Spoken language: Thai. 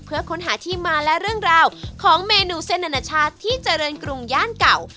เพื่อค้นหาที่มาและเรื่องราวของเมนูเส้นอนาชาติที่เจริญกรุงย่านเก่า